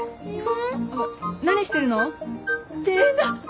あっ何してるの？